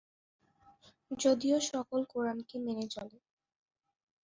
যদিও সকল কোরআন কে মেনে চলে।